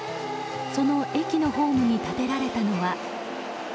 その駅のホームに建てられたのは。